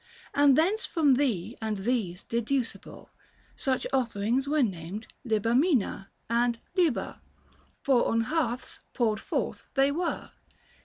And thence from thee and these deducible, Such offerings were named Libamina And Liba, for on hearths " poured forth" they were.